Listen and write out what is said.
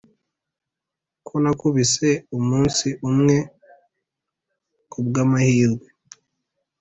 ko nakubise umunsi umwe kubwamahirwe,